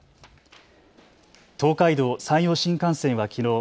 東海道、山陽新幹線はきのう